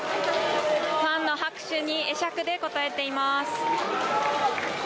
ファンの拍手に会釈で応えています。